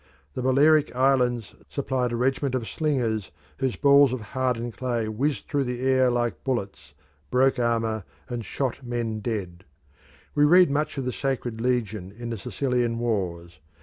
The Balearic Islands supplied a regiment of slingers whose balls of hardened clay whizzed through the air like bullets, broke armour, and shot men dead. We read much of the Sacred Legion in the Sicilian wars.